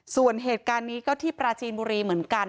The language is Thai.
ส่วนเหตุการณ์นี้ก็ที่ปราจีนบุรีเหมือนกัน